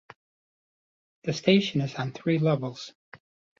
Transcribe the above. The station is on three levels.